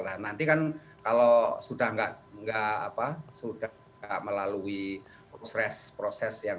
nah nanti kan kalau sudah enggak melalui proses yang namanya